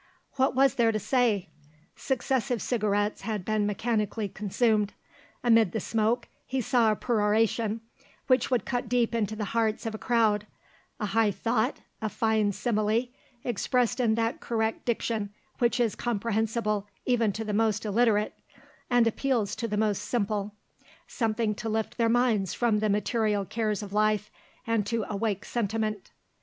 What was there to say? Successive cigarettes had been mechanically consumed. Amid the smoke he saw a peroration, which would cut deep into the hearts of a crowd; a high thought, a fine simile, expressed in that correct diction which is comprehensible even to the most illiterate, and appeals to the most simple; something to lift their minds from the material cares of life and to awake sentiment.